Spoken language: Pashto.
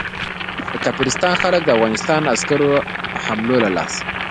د کافرستان خلک د افغانستان د عسکرو حملو له لاسه.